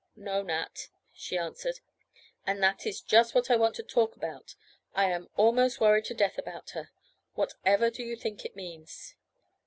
"No, Nat," she answered, "and that is just what I want to talk about. I am almost worried to death about her. Whatever do you think it means?"